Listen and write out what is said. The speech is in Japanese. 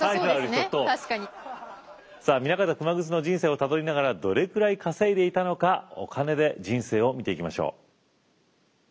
さあ南方熊楠の人生をたどりながらどれくらい稼いでいたのかお金で人生を見ていきましょう。